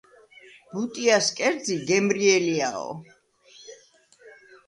ბუტიას კერძი გემრიელიაო